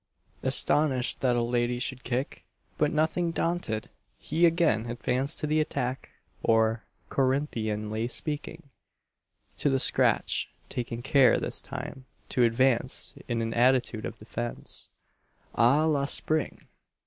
Astonished that a lady should kick, but nothing daunted, he again advanced to the attack, or, Corinthianly speaking, to the scratch, taking care, this time, to advance in an attitude of defence à la Spring.